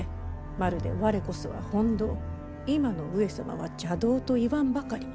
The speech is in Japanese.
まるで「われこそは本道今の上様は邪道」と言わんばかり。